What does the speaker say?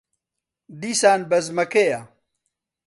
دیسان بەزمەکەیە.